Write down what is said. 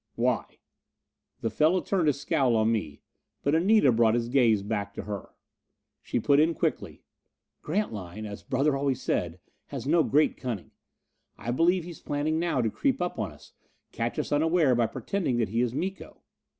"Why?" The fellow turned his scowl on me, but Anita brought his gaze back to her. She put in quickly: "Grantline, as Brother always said, has no great cunning. I believe he's planning now to creep up on us, catch us unaware by pretending that he is Miko."